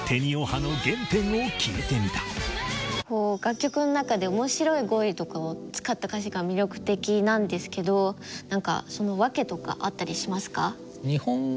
こう楽曲の中でおもしろい語彙とかを使った歌詞が魅力的なんですけど何かそのワケとかあったりしますか？